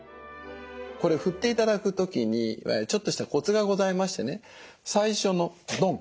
これ振って頂く時にちょっとしたコツがございましてね最初のドン！